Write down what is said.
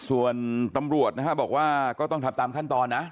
ส่วนตำรวจนะฮะบอกว่าก็ต้องทำตามขั้นตอนนะ